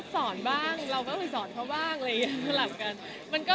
สอนบ้างเราก็คือสอนเขาบ้างอะไรอย่างนี้สลับกัน